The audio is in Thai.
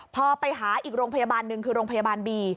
พอไปหาอีกโรงพยาบาลหนึ่งคือโรงพยาบาลบี